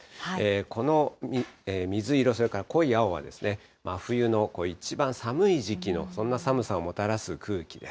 この水色、それから濃い青は真冬の一番寒い時期の、そんな寒さをもたらす空気です。